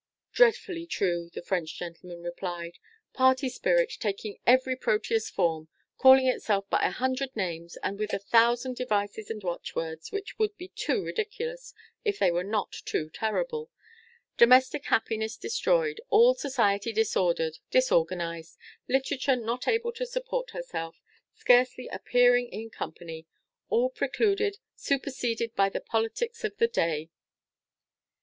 "Dreadfully true," the French gentleman replied "party spirit, taking every Proteus form, calling itself by a hundred names and with a thousand devices and watchwords, which would be too ridiculous, if they were not too terrible domestic happiness destroyed, all society disordered, disorganised literature not able to support herself, scarcely appearing in company all precluded, superseded by the politics of the day."